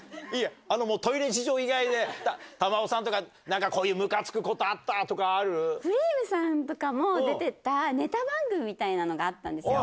もうトイレ事情以外で、珠緒さんとか、なんかこういうむかつくことあったとか、くりぃむさんとかも出てたネタ番組みたいなのがあったんですよ。